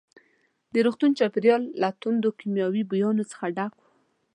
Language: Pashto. د روغتون چاپېریال له توندو کیمیاوي بویانو څخه ډک وو.